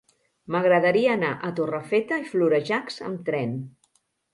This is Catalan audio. M'agradaria anar a Torrefeta i Florejacs amb tren.